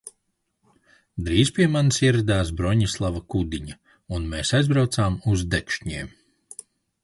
Drīz pie manis ieradās Broņislava Kudiņa, un mēs aizbraucām uz Dekšņiem.